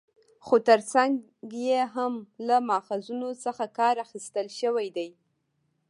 خو تر څنګ يې هم له ماخذونو څخه کار اخستل شوى دى